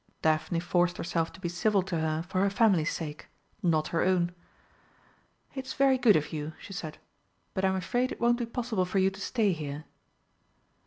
Daphne forced herself to be civil to her for her family's sake, not her own. "It is very good of you," she said, "but I'm afraid it won't be possible for you to stay here."